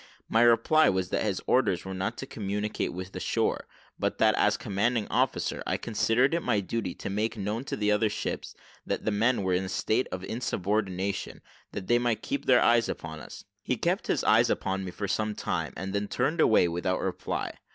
My reply was that his orders were not to communicate with the shore, but that, as commanding officer, I considered it my duty to make known to the other ships that the men were in a state of insubordination, that they might keep their eyes upon us. He kept his eyes upon me for some time, and then turned away, without reply.